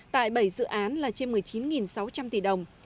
tại bảy dự án là trên một mươi chín sáu trăm linh tỷ đồng